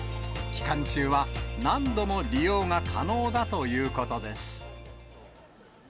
期間中は何度も利用が可能だということです。